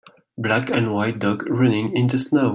Black and white dog running in the snow.